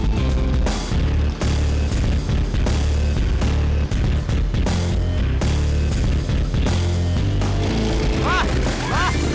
mohon di mbak baik